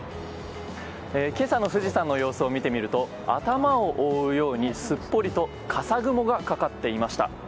今朝の富士山の様子を見てみると頭を覆うようにすっぽりと笠雲がかかっていました。